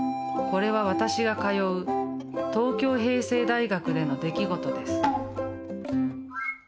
これは私が通う東京平成大学での出来事です。